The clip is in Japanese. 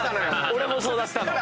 俺もそうだった。